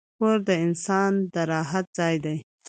کور د انسان د راحت ځای دی.